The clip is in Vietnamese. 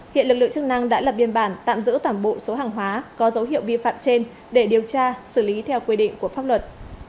hiện lực lượng chức năng đã lập biên bản tạm giữ toàn bộ số hàng hóa có dấu hiệu vi phạm trên để điều tra xử lý theo quy định của pháp luật